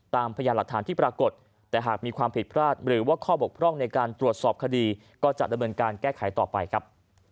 พยานหลักฐานที่ปรากฏแต่หากมีความผิดพลาดหรือว่าข้อบกพร่องในการตรวจสอบคดีก็จะดำเนินการแก้ไขต่อไปครับ